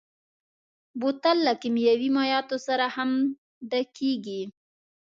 بوتل له کيمیاوي مایعاتو سره هم ډکېږي.